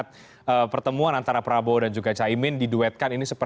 tadi sudah banyak yang kita bahas